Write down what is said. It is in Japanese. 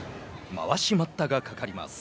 まわし待ったがかかります。